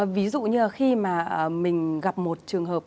ví dụ như là khi mà mình gặp một trường hợp